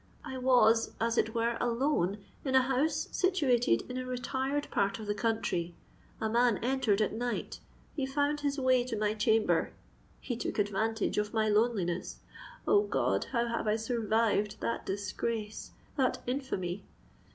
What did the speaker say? I was as it were alone in a house situated in a retired part of the country—a man entered at night—he found his way to my chamber—he took advantage of my loneliness——O God! how have I survived that disgrace—that infamy?